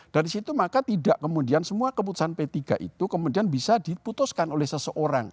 dari situ maka tidak kemudian semua keputusan p tiga itu kemudian bisa diputuskan oleh seseorang